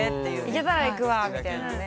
行けたら行くわみたいなね。